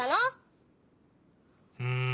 うん。